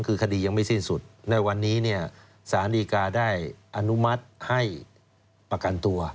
คือคดียังไม่สิ้นสุดในวันนี้เนี่ยสารดีกาได้อนุมัติให้ประกันตัว